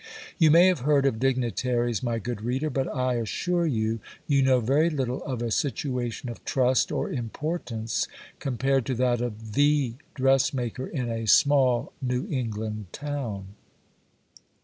You may have heard of dignitaries, my good reader,—but, I assure you, you know very little of a situation of trust or importance compared to that of the dressmaker in a small New England town.